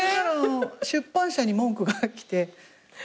出版社に文句が来て。